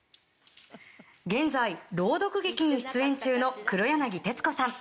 現在、朗読劇に出演中の黒柳徹子さん。